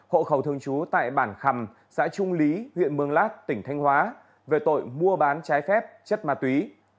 hộ khẩu thường chú tại bản khầm xã trung lý huyện mương lát tỉnh thanh hóa về tội mua bán trái khép chất ma túy